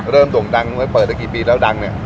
เริ่มต่วงดังเปิดตั้งแต่กี่ปีแล้วดังเนี่ย